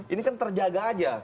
ini kan terjaga aja